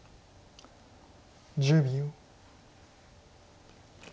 １０秒。